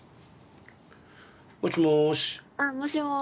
もしもし。